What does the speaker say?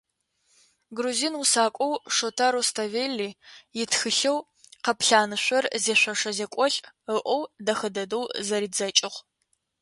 Грузин усакӏоу Шота Руставели итхылъэу «Къэплъанышъор зишъошэ зекӏолӏ» ыӏоу дэхэ дэдэу зэридзэкӏыгъ.